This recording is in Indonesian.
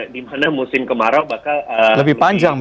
di mana musim kemarau bakal lebih panjang